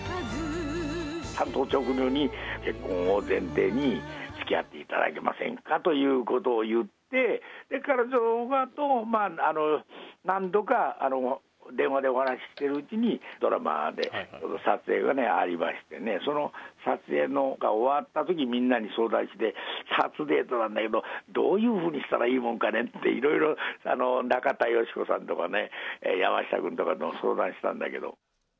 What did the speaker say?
単刀直入に結婚を前提につきあっていただけませんかということを言って、それからそのあと何度か電話でお話ししているうちに、ドラマで撮影がありましてね、その撮影が終わったあと、みんなに相談して、初デートなんだけどどういうふうにしたらいいもんかねって、いろいろ中田喜子さんとかね、山下君とかと相談したんだけど。